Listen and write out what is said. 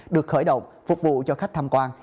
được khởi động phục vụ cho khách tham quan